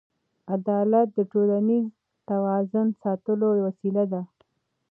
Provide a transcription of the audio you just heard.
عدالت د ټولنیز توازن ساتلو وسیله ده.